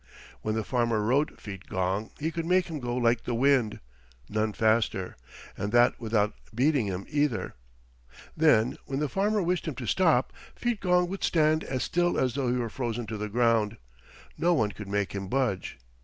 When the farmer rode Feetgong he could make him go like the wind, none faster, and that without beating him, either. Then when the farmer wished him to stop Feetgong would stand as still as though he were frozen to the ground; no one could make him budge.